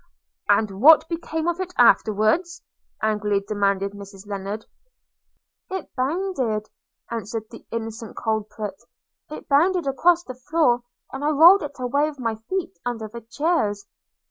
'And what became of it afterwards?' angrily demanded Mrs Lennard. 'It bounded,' answered the innocent culprit, 'it bounded across the floor, and I rolled it away with my feet, under the chairs.'